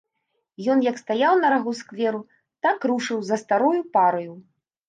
Ён, як стаяў на рагу скверу, так рушыў за старою параю.